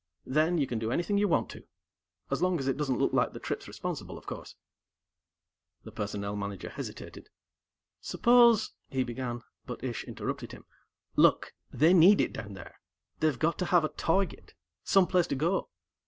Then, you can do anything you want to as long as it doesn't look like the trip's responsible, of course." The Personnel Manager hesitated. "Suppose " he began, but Ish interrupted him. "Look, they need it, down there. They've got to have a target, someplace to go.